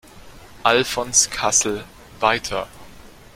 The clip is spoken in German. Alfons Kassel“, weiter.